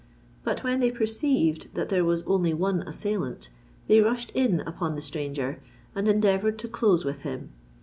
But when they perceived that there was only one assailant, they rushed in upon the stranger, and endeavoured to close with him.